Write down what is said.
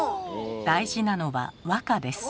大事なのは和歌です。